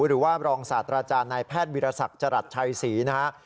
หรือว่ารองศาสตราจารย์ในแพทย์วิราษักจรัสชัยศรีนะครับ